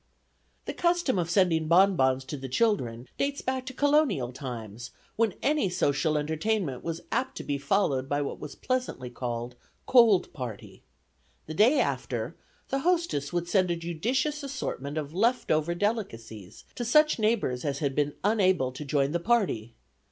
The custom of sending bonbons to the children dates back to Colonial times, when any social entertainment was apt to be followed by what was pleasantly called "Cold Party." The day after, the hostess would send a judicious assortment of leftover delicacies to such neighbors as had been unable to join the party.